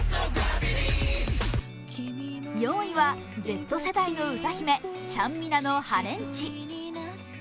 ４位はＺ世代の歌姫、ちゃんみなの「ハレンチ」。